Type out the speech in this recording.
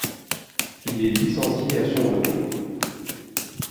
Il est licencié à son retour.